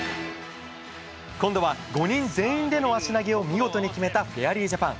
今度は５人全員での足投げを見事に決めたフェアリージャパン。